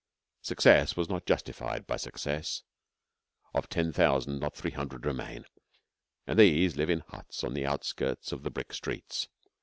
Success was not justified by success. Of ten thousand not three hundred remain, and these live in huts on the outskirts of the brick streets.